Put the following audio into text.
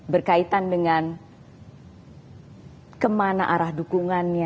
berkaitan dengan kemana arah dukungannya